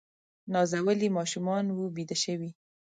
نازولي ماشومان وه بیده شوي